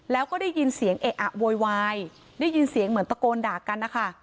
แล้วก็ได้ยินเสียงเอะอะโวยวายได้ยินเสียงเหมือนตะโกนด่ากันนะคะ